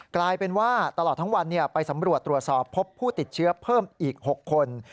กลายเป็นว่าตลอดทั้งวันไปสำรวจตรวจสอบพบผู้ติดเชื้อเพิ่มอีก๖คน